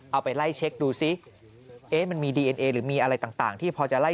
เอาไปไล่เช็กดูสิ